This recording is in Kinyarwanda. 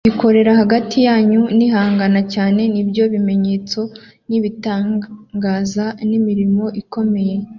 mbikorera hagati yanyu nihangana cyane, ni byo bimenyetso n’ibitangaza n’imirimo ikomeye.